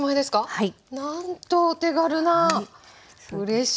はい。